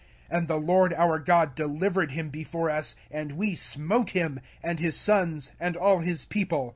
05:002:033 And the LORD our God delivered him before us; and we smote him, and his sons, and all his people.